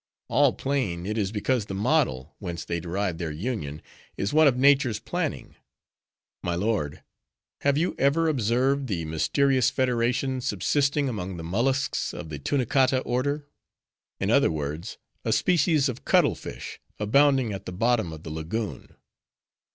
"All plain, it is because the model, whence they derive their union, is one of nature's planning. My lord, have you ever observed the mysterious federation subsisting among the molluscs of the Tunicata order,—in other words, a species of cuttle fish, abounding at the bottom of the lagoon?"